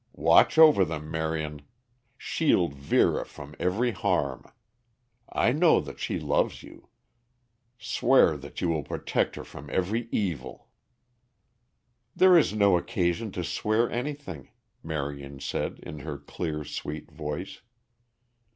Watch over them, Marion; shield Vera from every harm. I know that she loves you. Swear that you will protect her from every evil!" "There is no occasion to swear anything," Marion said, in her clear, sweet voice.